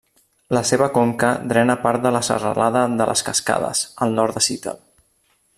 La seva conca drena part de la Serralada de les Cascades, al nord de Seattle.